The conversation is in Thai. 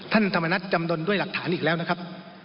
ท่านธรรมนัฐจำนวนด้วยหลักฐานอีกแล้วนะครับ